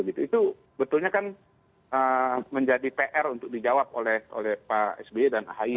itu betulnya kan menjadi pr untuk dijawab oleh pak sby dan ahy